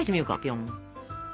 ぴょん。